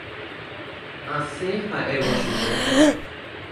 Asẽ ha'évo chupe.